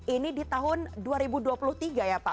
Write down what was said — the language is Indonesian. ini di tahun dua ribu dua puluh tiga ya pak